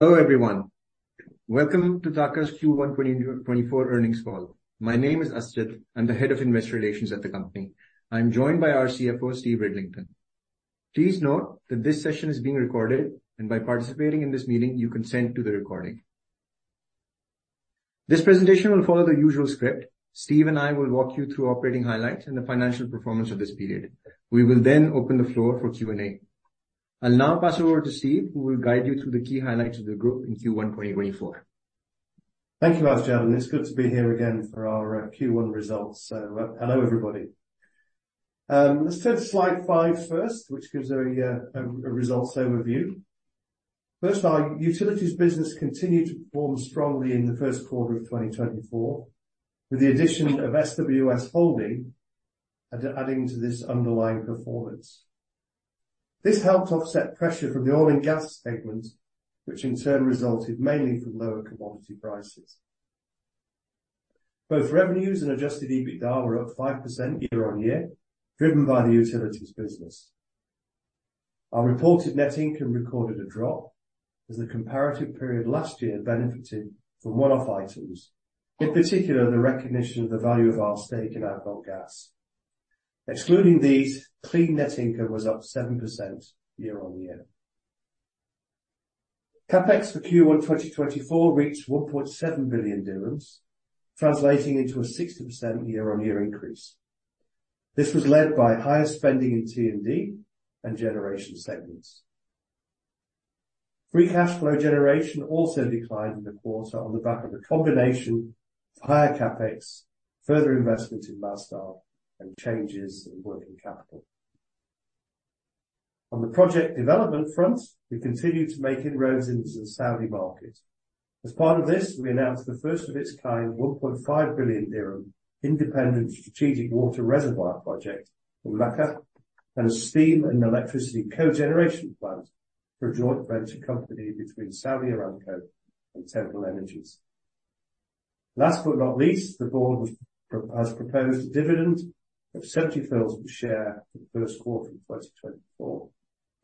Hello everyone. Welcome to TAQA's Q1 2024 earnings call. My name is Asja Grbić. I'm the Head of Investor Relations at the company. I'm joined by our CFO, Stephen Ridlington. Please note that this session is being recorded, and by participating in this meeting, you consent to the recording. This presentation will follow the usual script. Steve and I will walk you through operating highlights and the financial performance of this period. We will then open the floor for Q&A. I'll now pass it over to Steve, who will guide you through the key highlights of the group in Q1 2024. Thank you, Asja. It's good to be here again for our Q1 results. So, hello everybody. Let's turn to slide five first, which gives a results overview. First, our utilities business continued to perform strongly in the first quarter of 2024, with the addition of SWS Holding and adding to this underlying performance. This helped offset pressure from the oil and gas segment, which in turn resulted mainly from lower commodity prices. Both revenues and adjusted EBITDA were up 5% year-on-year, driven by the utilities business. Our reported net income recorded a drop as the comparative period last year benefited from one-off items, in particular, the recognition of the value of our stake in ADNOC Gas. Excluding these, clean net income was up 7% year-on-year. CapEx for Q1 2024 reached 1.7 billion dirhams, translating into a 60% year-on-year increase. This was led by higher spending in T&D and generation segments. Free cash flow generation also declined in the quarter on the back of a combination of higher CapEx, further investments in Masdar, and changes in working capital. On the project development front, we continued to make inroads into the Saudi market. As part of this, we announced the first of its kind, 1.5 billion dirham independent strategic water reservoir project in Makkah, and a steam and electricity cogeneration plant for a joint venture company between Saudi Aramco and TotalEnergies. Last but not least, the board has proposed a dividend of 70 fils per share for the first quarter of 2024,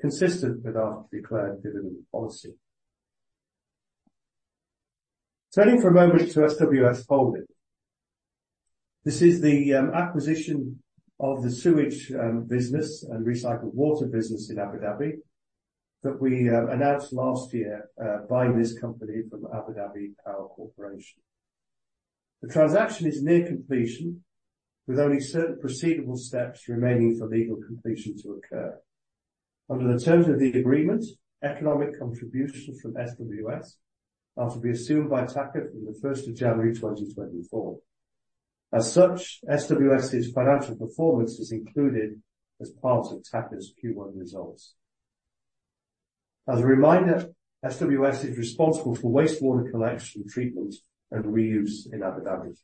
consistent with our declared dividend policy. Turning for a moment to SWS Holding. This is the acquisition of the sewage business and recycled water business in Abu Dhabi that we announced last year, buying this company from Abu Dhabi Power Corporation. The transaction is near completion, with only certain procedural steps remaining for legal completion to occur. Under the terms of the agreement, economic contributions from SWS are to be assumed by TAQA from the first of January 2024. As such, SWS's financial performance is included as part of TAQA's Q1 results. As a reminder, SWS is responsible for wastewater collection, treatment, and reuse in Abu Dhabi.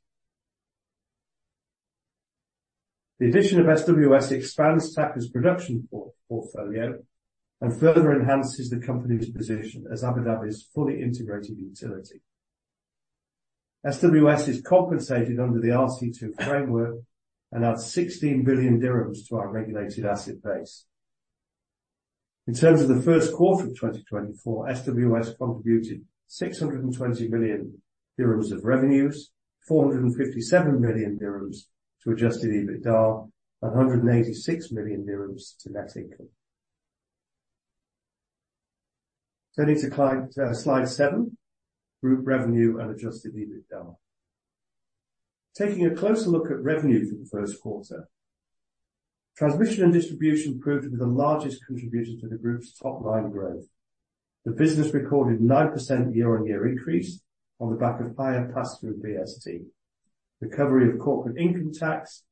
The addition of SWS expands TAQA's production portfolio and further enhances the company's position as Abu Dhabi's fully integrated utility. SWS is compensated under the RC2 framework and adds 16 billion dirhams to our regulated asset base. In terms of the first quarter of 2024, SWS contributed 620 million dirhams of revenues, 457 million dirhams to adjusted EBITDA, and 186 million dirhams to net income. Turning to slide seven, group revenue and adjusted EBITDA. Taking a closer look at revenue for the first quarter, transmission and distribution proved to be the largest contributor to the group's top-line growth. The business recorded 9% year-on-year increase on the back of higher pass-through BST, recovery of corporate income tax,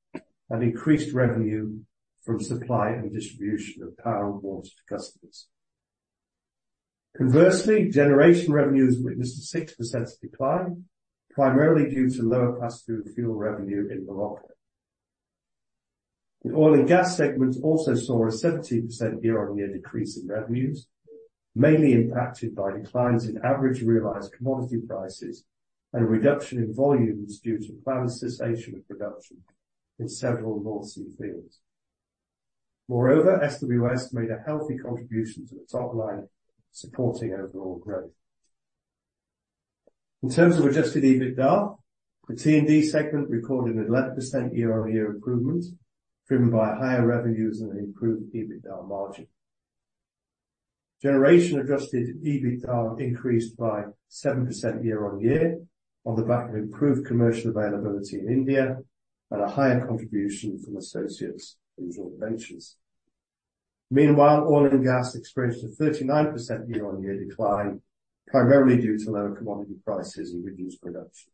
and increased revenue from supply and distribution of power and water to customers. Conversely, generation revenues witnessed a 6% decline, primarily due to lower pass-through fuel revenue in Morocco. The oil and gas segments also saw a 17% year-over-year decrease in revenues, mainly impacted by declines in average realized commodity prices and a reduction in volumes due to planned cessation of production in several North Sea fields. Moreover, SWS made a healthy contribution to the top line, supporting overall growth. In terms of adjusted EBITDA, the T&D segment recorded an 11% year-over-year improvement, driven by higher revenues and an improved EBITDA margin. Generation adjusted EBITDA increased by 7% year-over-year on the back of improved commercial availability in India, and a higher contribution from associates and joint ventures. Meanwhile, oil and gas experienced a 39% year-over-year decline, primarily due to lower commodity prices and reduced production.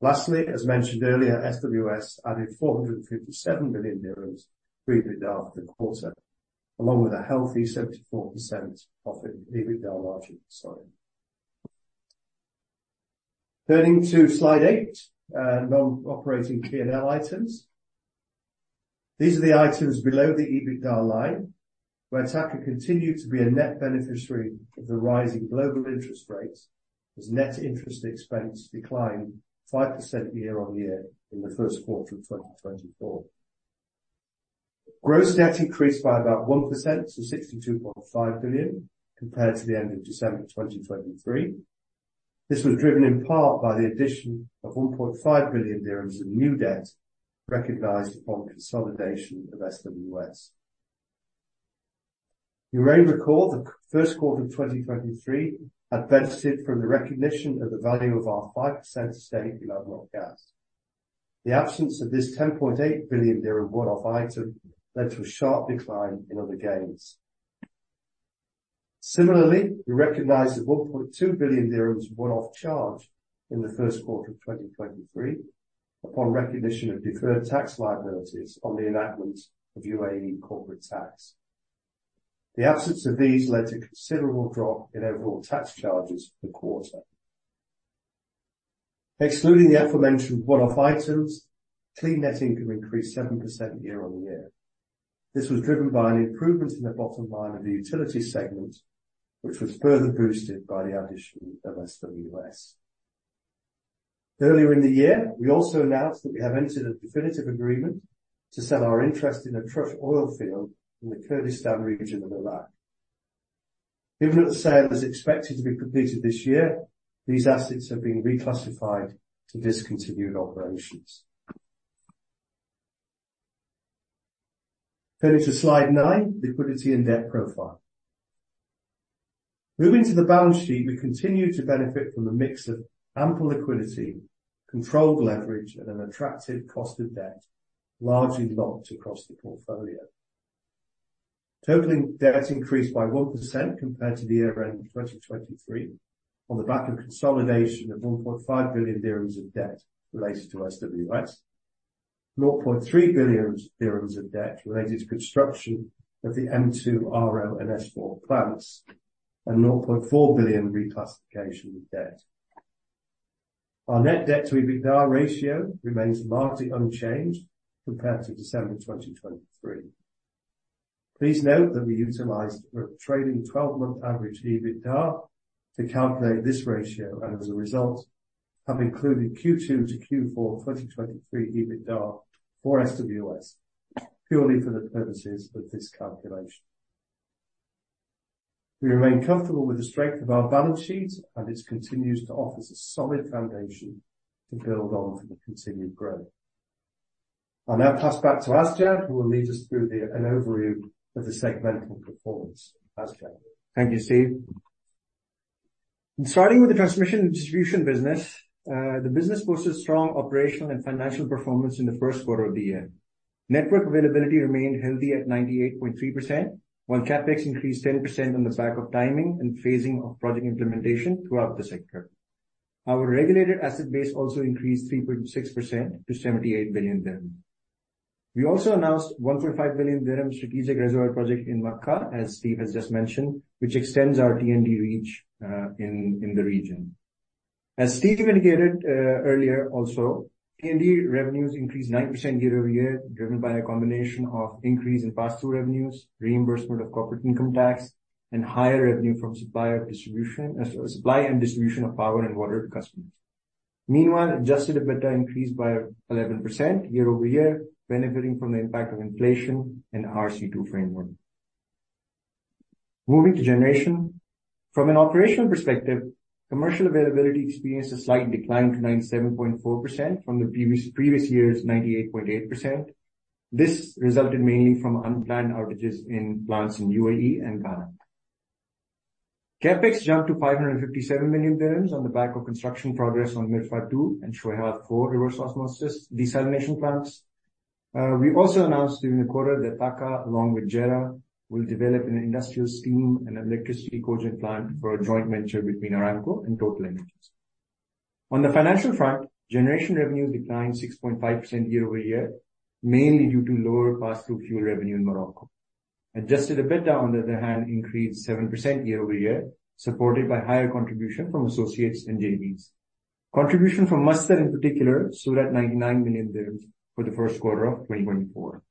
Lastly, as mentioned earlier, SWS added AED 457 million EBITDA for the quarter, along with a healthy 74% profit EBITDA margin. Sorry. Turning to slide eight, non-operating P&L items. These are the items below the EBITDA line, where TAQA continued to be a net beneficiary of the rising global interest rates, as net interest expense declined 5% year-on-year in the first quarter of 2024. Gross debt increased by about 1% to 62.5 billion, compared to the end of December 2023. This was driven in part by the addition of 1.5 billion dirhams in new debt recognized upon consolidation of SWS. You may recall the first quarter of 2023 had benefited from the recognition of the value of our 5% stake in ADNOC Gas. The absence of this 10 billion dirham one-off item led to a sharp decline in other gains. Similarly, we recognized the 1.2 billion dirhams one-off charge in the first quarter of 2023 upon recognition of deferred tax liabilities on the enactment of UAE corporate tax. The absence of these led to considerable drop in overall tax charges for the quarter. Excluding the aforementioned one-off items, clean net income increased 7% year-on-year. This was driven by an improvement in the bottom line of the utility segment, which was further boosted by the addition of SWS. Earlier in the year, we also announced that we have entered a definitive agreement to sell our interest in the Atrush oil field in the Kurdistan Region of Iraq. Given that the sale is expected to be completed this year, these assets have been reclassified to discontinued operations. Then to slide 9, liquidity and debt profile. Moving to the balance sheet, we continue to benefit from a mix of ample liquidity, controlled leverage and an attractive cost of debt, largely locked across the portfolio. Total debt increased by 1% compared to the year-end in 2023, on the back of consolidation of 1.5 billion dirhams of debt related to SWS, 0.3 billion dirhams of debt related to construction of the M2, RO, and S4 plants, and 0.4 billion reclassification of debt. Our net debt to EBITDA ratio remains markedly unchanged compared to December 2023. Please note that we utilized a trailing 12-month average EBITDA to calculate this ratio, and as a result, have included Q2-Q4 2023 EBITDA for SWS, purely for the purposes of this calculation. We remain comfortable with the strength of our balance sheet, and this continues to offer us a solid foundation to build on for the continued growth. I'll now pass back to Asja, who will lead us through an overview of the segmental performance. Asja? Thank you, Steve. Starting with the transmission and distribution business, the business posted strong operational and financial performance in the first quarter of the year. Network availability remained healthy at 98.3%, while CapEx increased 10% on the back of timing and phasing of project implementation throughout the sector. Our regulated asset base also increased 3.6% to 78 billion dirham. We also announced 1.5 billion dirham strategic reservoir project in Makkah, as Steve has just mentioned, which extends our T&D reach in the region. As Steve indicated earlier also, T&D revenues increased 9% year-over-year, driven by a combination of increase in pass-through revenues, reimbursement of corporate income tax, and higher revenue from supply and distribution of power and water to customers. Meanwhile, adjusted EBITDA increased by 11% year-over-year, benefiting from the impact of inflation and RC2 framework. Moving to generation. From an operational perspective, commercial availability experienced a slight decline to 97.4% from the previous year's 98.8%. This resulted mainly from unplanned outages in plants in UAE and Ghana. CapEx jumped to 557 million dirhams on the back of construction progress on Mirfa 2 and Shuweihat 4 reverse osmosis desalination plants. We also announced during the quarter that TAQA, along with JERA, will develop an industrial steam and electricity cogeneration plant for a joint venture between Saudi Aramco and TotalEnergies. On the financial front, generation revenues declined 6.5% year-over-year, mainly due to lower pass-through fuel revenue in Morocco. Adjusted EBITDA, on the other hand, increased 7% year-over-year, supported by higher contribution from associates and JVs. Contribution from Masdar in particular stood at 99 million dirhams for the first quarter of 2024.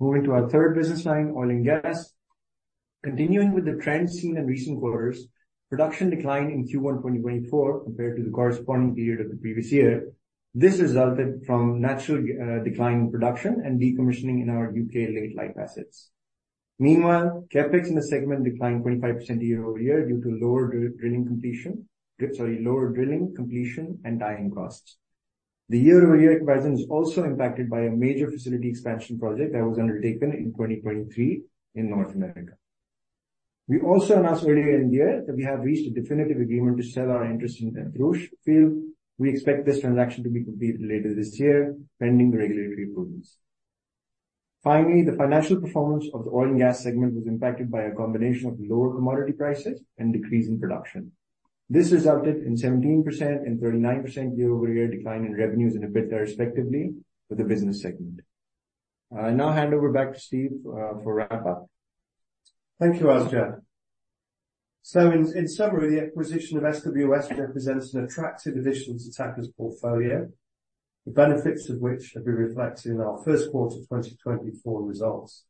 Moving to our third business line, oil and gas. Continuing with the trend seen in recent quarters, production declined in Q1 2024 compared to the corresponding period of the previous year. This resulted from natural decline in production and decommissioning in our U.K. late life assets. Meanwhile, CapEx in the segment declined 25% year-over-year due to lower drilling completion. Sorry, lower drilling, completion, and tying costs. The year-over-year comparison is also impacted by a major facility expansion project that was undertaken in 2023 in North America. We also announced earlier in the year that we have reached a definitive agreement to sell our interest in the Atrush oil field. We expect this transaction to be completed later this year, pending regulatory approvals. Finally, the financial performance of the oil and gas segment was impacted by a combination of lower commodity prices and decrease in production. This resulted in 17% and 39% year-over-year decline in revenues and EBITDA, respectively, for the business segment. I now hand over back to Steve for wrap-up. Thank you, Asja. So in summary, the acquisition of SWS represents an attractive addition to TAQA's portfolio, the benefits of which will be reflected in our first quarter 2024 results.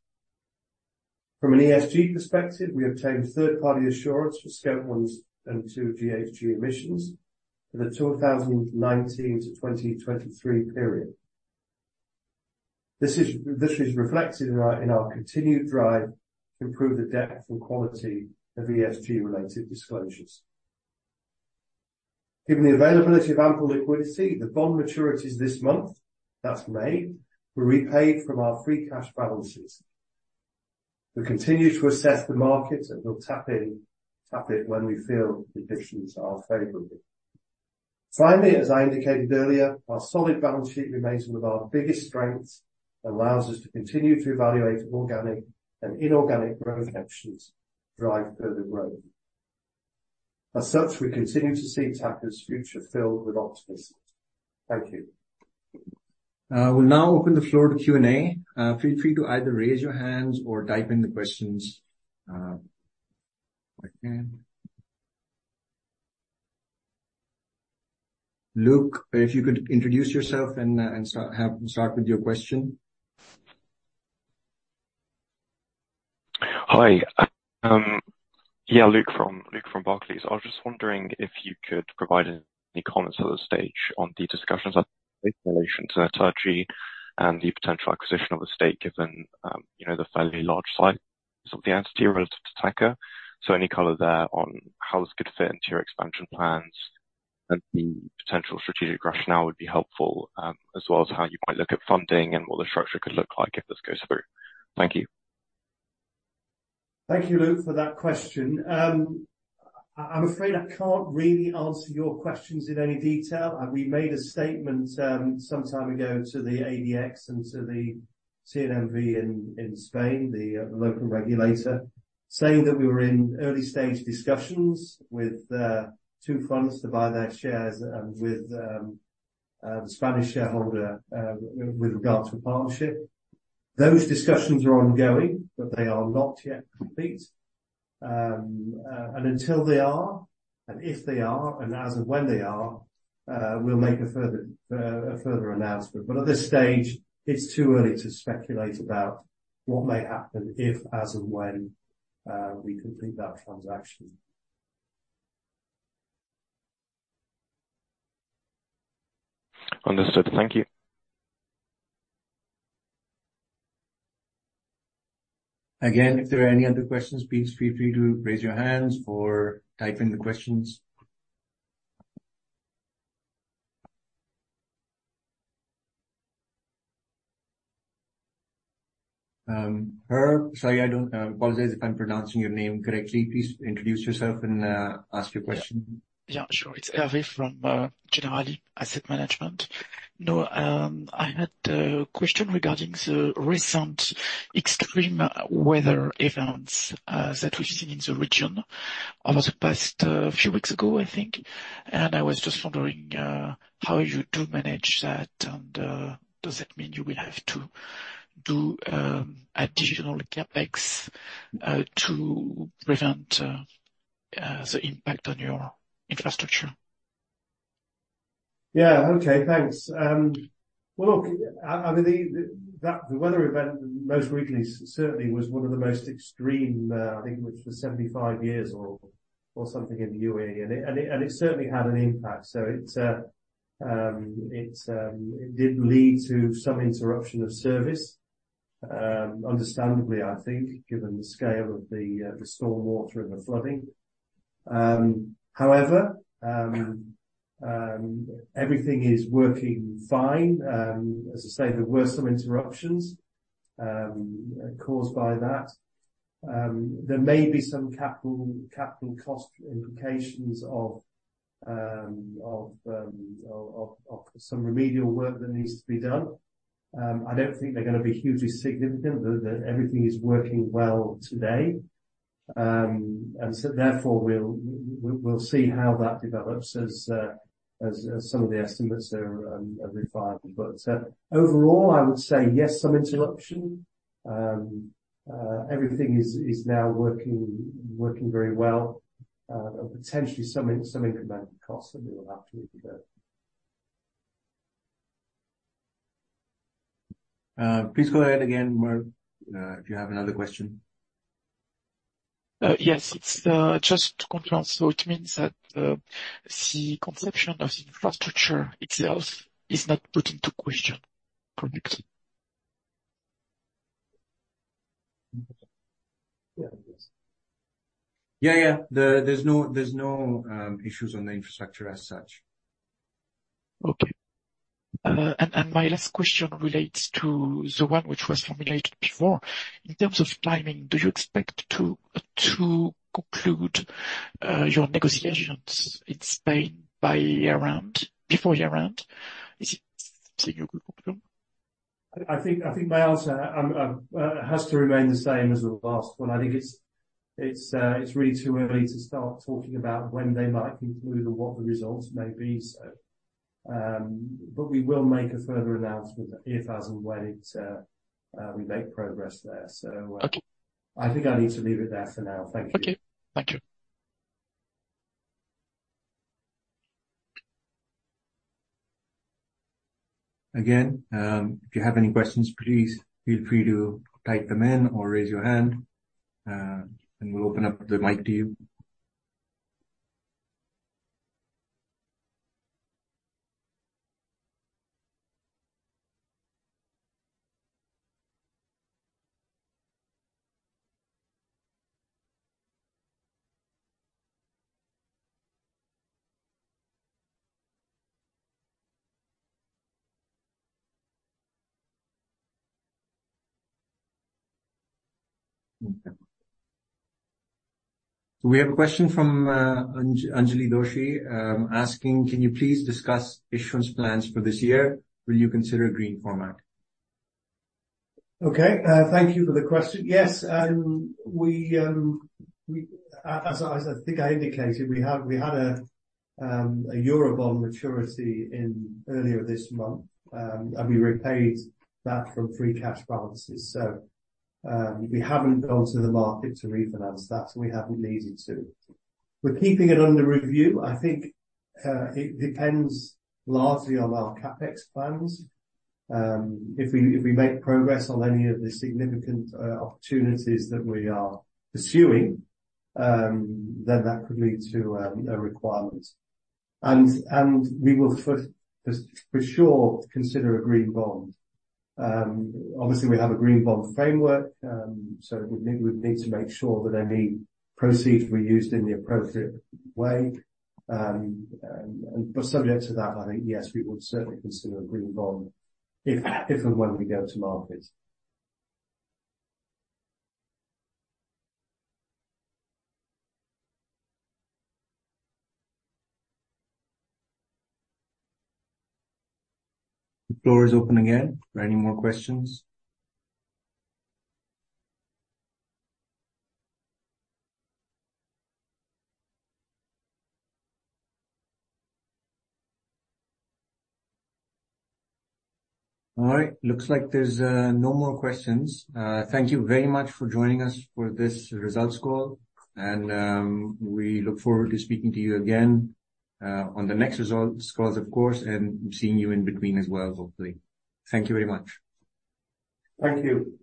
From an ESG perspective, we obtained third-party assurance for Scope one and two GHG emissions for the 2019 to 2023 period. This is reflected in our continued drive to improve the depth and quality of ESG-related disclosures. Given the availability of ample liquidity, the bond maturities this month, that's May, were repaid from our free cash balances. We continue to assess the market, and we'll tap it when we feel the conditions are favorable. Finally, as I indicated earlier, our solid balance sheet remains one of our biggest strengths and allows us to continue to evaluate organic and inorganic growth options to drive further growth. As such, we continue to see TAQA's future filled with optimism. Thank you. We'll now open the floor to Q&A. Feel free to either raise your hands or type in the questions, Luke, if you could introduce yourself and start with your question. Hi, yeah, Luke from Barclays. I was just wondering if you could provide any comments at this stage on the discussions in relation to Naturgy and the potential acquisition of the stake, given, you know, the fairly large size of the entity relative to TAQA. So any color there on how this could fit into your expansion plans and the potential strategic rationale would be helpful, as well as how you might look at funding and what the structure could look like if this goes through. Thank you. Thank you, Luke, for that question. I'm afraid I can't really answer your questions in any detail. We made a statement some time ago to the ADX and to the CNMV in Spain, the local regulator, saying that we were in early stage discussions with two funds to buy their shares with Spanish shareholder with regards to a partnership. Those discussions are ongoing, but they are not yet complete. Until they are, and if they are, and as of when they are, we'll make a further a further announcement. But at this stage, it's too early to speculate about what may happen if, as and when we complete that transaction. Understood. Thank you. Again, if there are any other questions, please feel free to raise your hands or type in the questions. Hervé, sorry, I don't... apologize if I'm pronouncing your name correctly. Please introduce yourself and ask your question. Yeah, sure. It's Hervé from Generali Asset Management. No, I had a question regarding the recent extreme weather events that we've seen in the region over the past few weeks ago, I think. And I was just wondering how you do manage that, and does that mean you will have to do additional CapEx to prevent the impact on your infrastructure? Yeah, okay. Thanks. Well, look, I mean, the, that—the weather event, most recently, certainly was one of the most extreme, I think which for 75 years or something in the UAE, and it certainly had an impact. So it did lead to some interruption of service, understandably, I think, given the scale of the storm water and the flooding. However, everything is working fine. As I say, there were some interruptions caused by that. There may be some capital cost implications of some remedial work that needs to be done. I don't think they're gonna be hugely significant, but everything is working well today. And so therefore, we'll see how that develops as some of the estimates are refined. But overall, I would say yes, some interruption. Everything is now working very well, but potentially some incremental cost that we will have to look at. Please go ahead again, Hervé, if you have another question. Yes, it's just to confirm. So it means that the conception of infrastructure itself is not put into question correctly? Yeah, it is. Yeah, yeah. There's no issues on the infrastructure as such. Okay. And my last question relates to the one which was formulated before. In terms of timing, do you expect to conclude your negotiations in Spain by year-end, before year-end? Is it seeing a good outcome? I think my answer has to remain the same as the last one. I think it's really too early to start talking about when they might conclude or what the results may be so. But we will make a further announcement if, as, and when we make progress there, so- Okay. I think I need to leave it there for now. Thank you. Okay. Thank you.... Again, if you have any questions, please feel free to type them in or raise your hand, and we'll open up the mic to you. Okay. So we have a question from Anjali Doshi, asking: "Can you please discuss issuance plans for this year? Will you consider a green format? Okay. Thank you for the question. Yes, as I think I indicated, we had a Eurobond maturity earlier this month, and we repaid that from free cash balances. So, we haven't gone to the market to refinance that, so we haven't needed to. We're keeping it under review. I think, it depends largely on our CapEx plans. If we make progress on any of the significant opportunities that we are pursuing, then that could lead to a requirement. And we will for sure consider a green bond. Obviously, we have a green bond framework, so we'd need to make sure that any proceeds were used in the appropriate way. But subject to that, I think, yes, we would certainly consider a green bond if, if and when we go to market. The floor is open again for any more questions. All right. Looks like there's no more questions. Thank you very much for joining us for this results call, and we look forward to speaking to you again on the next results calls, of course, and seeing you in between as well, hopefully. Thank you very much. Thank you.